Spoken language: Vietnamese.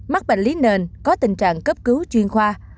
mắc bệnh lý nền có tình trạng cấp cứu chuyên khoa